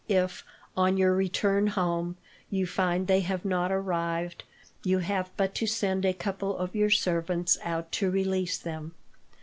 If, on your return home, you find they have not arrived, you have but to send a couple of your servants out to release them.